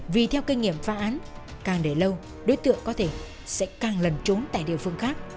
vì theo kinh nghiệm phá án càng để lâu đối tượng có thể sẽ càng lần trốn tại địa phương khác